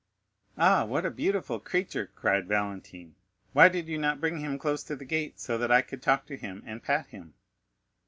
"Ah! what a beautiful creature!" cried Valentine; "why did you not bring him close to the gate, so that I could talk to him and pat him?"